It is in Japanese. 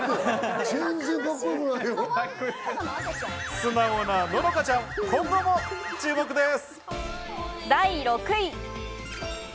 素直なののかちゃん、今後も注目です。